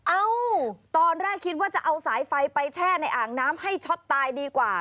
เอ้าตอนแรกคิดว่าจะเอาสายไฟไปแช่ในอ่างน้ำให้ช็อตตายดีกว่า